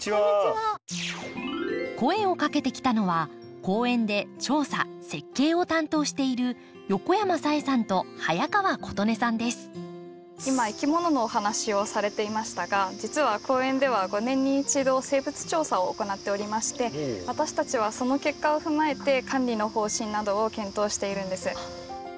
声をかけてきたのは公園で調査設計を担当している今いきもののお話をされていましたが実は公園では５年に一度私たちはその結果を踏まえて管理の方針などを検討しているんです。